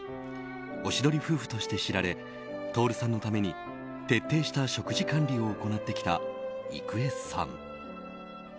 おしどり夫婦として知られ徹さんのために、徹底した食事管理を行ってきた郁恵さん。